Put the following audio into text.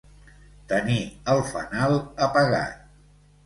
Tenir el fanal apagat.